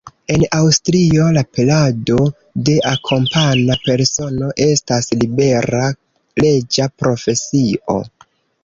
En Aŭstrio, la perado de akompana persono estas libera, leĝa profesio.